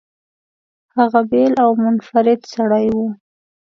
هغه بېل او منفرد سړی و.